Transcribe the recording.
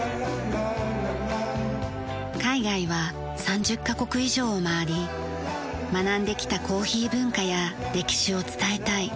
海外は３０カ国以上を回り学んできたコーヒー文化や歴史を伝えたい。